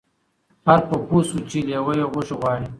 خر په پوه سوچی لېوه یې غوښي غواړي